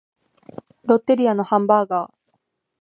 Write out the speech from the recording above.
ロッテリアのハンバーガー